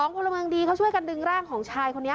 พลเมืองดีเขาช่วยกันดึงร่างของชายคนนี้